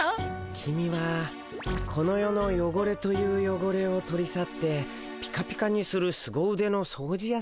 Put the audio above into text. キミはこの世のよごれというよごれを取り去ってピカピカにするすご腕の掃除やさんだね。